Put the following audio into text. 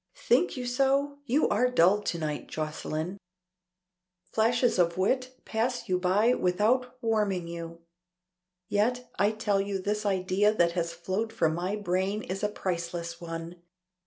"Think you so? You are dull to night, Jocelyne. Flashes of wit pass you by without warming you. Yet I tell you this idea that has flowed from my brain is a priceless one.